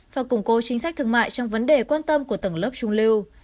và củng cố chính sách thương mại trong vấn đề quan tâm của tầng lớp trung lưu